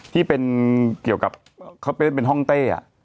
ที่เป็นเกี่ยวกับเขาไปเล่นเป็นห้องเต้